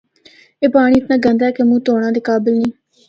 اے پانڑی اتنا گندا اے کہ منہ دونڑا دے قابل نیں۔